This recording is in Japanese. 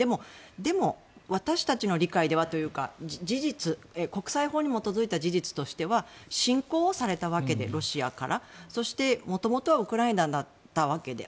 でも、私たちの理解ではというか国際法に基づいた事実としてはロシアから侵攻されたわけでそして、元々はウクライナだったわけで。